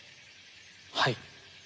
はい。